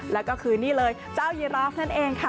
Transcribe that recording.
แล้วก็คือนี่เลยเจ้ายีราฟนั่นเองค่ะ